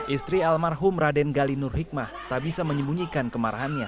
istri almarhum raden galinur hikmah tak bisa menyembunyikan kemarahannya